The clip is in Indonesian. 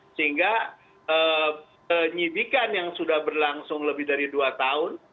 sehingga penyidikan yang sudah berlangsung lebih dari dua tahun